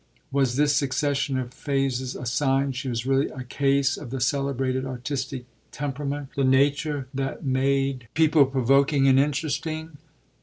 Was this succession of phases a sign she was really a case of the celebrated artistic temperament, the nature that made people provoking and interesting?